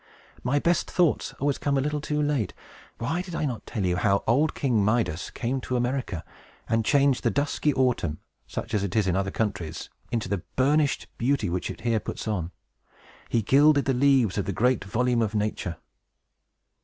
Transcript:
My best thoughts always come a little too late. Why did not I tell you how old King Midas came to America, and changed the dusky autumn, such as it is in other countries, into the burnished beauty which it here puts on? He gilded the leaves of the great volume of Nature."